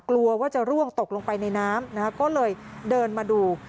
กลัวว่าจะร่วงตกลงไปในน้ำก็เลยเดินมาดู